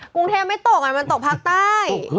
กรุงเทพไม่ตกมันตกภาคใต้